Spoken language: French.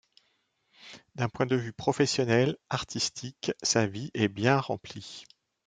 D'un point de vue professionnel, artistique, sa vie est bien remplie.